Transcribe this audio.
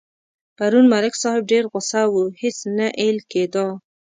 پرون ملک صاحب ډېر غوسه و هېڅ نه اېل کېدا.